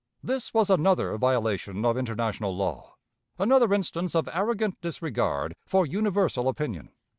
This was another violation of international law, another instance of arrogant disregard for universal opinion.